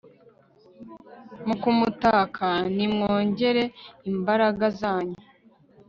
mu kumutaka, nimwongere imbaraga zanyu